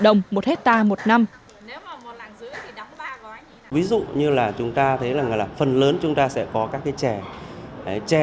đồng một hectare một năm ví dụ như là chúng ta thấy là phần lớn chúng ta sẽ có các cái chè chè